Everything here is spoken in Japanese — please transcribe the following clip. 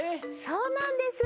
そうなんです。